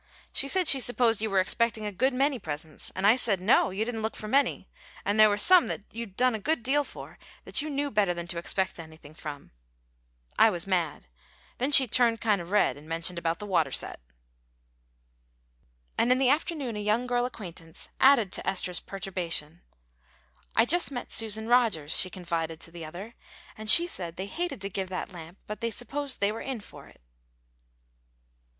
She said she supposed you were expecting a good many presents; and I said no, you didn't look for many, and there were some that you'd done a good deal for that you knew better than to expect anything from. I was mad. Then she turned kind of red, and mentioned about the water set." And in the afternoon a young girl acquaintance added to Esther's perturbation. "I just met Susan Rogers," she confided to the other, "and she said they hated to give that lamp, but they supposed they were in for it."